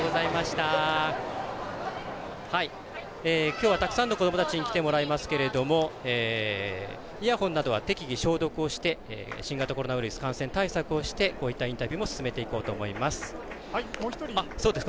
きょうはたくさんの子どもたちに来てもらいますけどもイヤホンなどは適宜、消毒をして新型コロナウイルス感染対策をしてこういったインタビューも進めていこうと思います。